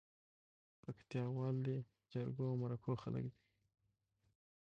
پکتياوال دي جرګو او مرکو خلک دي